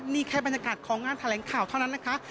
นี่แค่บรรยากาศของงานแถลงข่าวเท่านั้นนะคะ